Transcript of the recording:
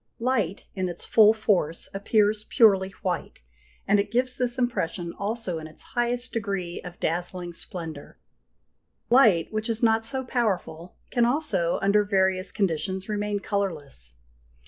Light, in its full force, appears purely white, and it gives this impression also in its highest degree of dazzling splendour. Light, which is not so powerful, can also, under various conditions, remain colourless.